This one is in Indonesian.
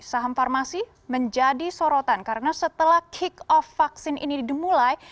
saham farmasi menjadi sorotan karena setelah kick off vaksin ini dimulai